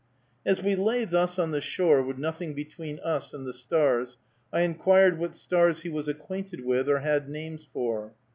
As we lay thus on the shore, with nothing between us and the stars, I inquired what stars he was acquainted with, or had names for.